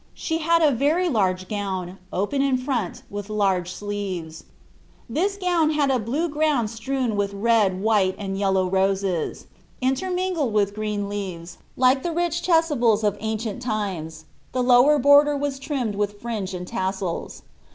She had a very large gown, open in front, with large sleeves. This gown had a blue ground strewed with red, white, and yellow roses, intermingled with green leaves, like the rich chasubles of ancient times the lower border was trimmed with fringe and tassels.